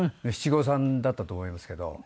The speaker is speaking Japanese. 七五三だったと思いますけど。